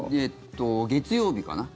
月曜日かな？